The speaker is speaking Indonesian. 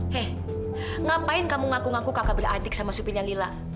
hei ngapain kamu ngaku ngaku kakak beradik sama supirnya nila